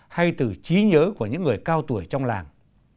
hay từ trí nhớ của những người cao tuổi trong làng